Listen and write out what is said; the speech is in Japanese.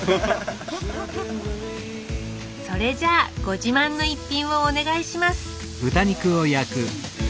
それじゃあご自慢の一品をお願いします